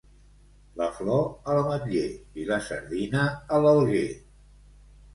La flor a l'ametller i la sardina a l'alguer.